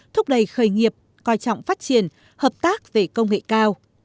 thúc đẩy khởi nghiệp coi trọng phát triển hợp tác về công nghệ cao